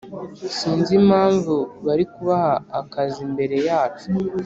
sinzi impamvu bari kubaha akazi mbere yacu